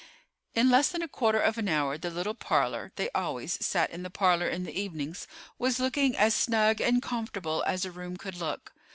In less than a quarter of an hour the little parlor—they always sat in the parlor in the evenings—was looking as snug and comfortable as a room could look.